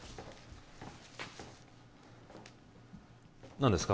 何ですか？